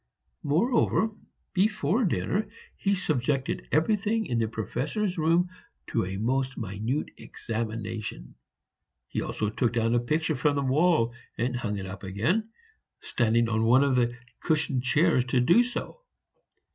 Moreover, before dinner he subjected everything in the Professor's room to a most minute examination; he also took down a picture from the wall and hung it up again, standing on one of the cushioned chairs to do so.